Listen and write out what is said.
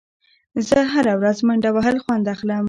زه له هره ورځ منډه وهل خوند اخلم.